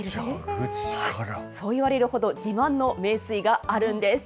そういわれるほど自慢の名水があるんです。